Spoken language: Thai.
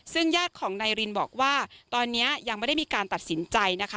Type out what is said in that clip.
ซึ่งญาติของนายรินบอกว่าตอนนี้ยังไม่ได้มีการตัดสินใจนะคะ